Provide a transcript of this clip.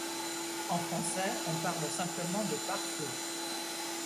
En français, on parle simplement de pare-feu.